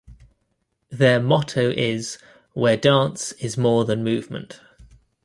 Their motto is "Where Dance Is More Than Movement".